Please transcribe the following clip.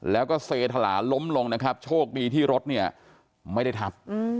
แล้วก็เซธลาล้มลงนะครับโชคดีที่รถเนี่ยไม่ได้ทับ